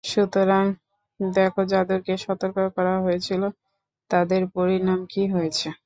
সুতরাং দেখ যাদেরকে সতর্ক করা হয়েছিল তাদের পরিণাম কি হয়েছে?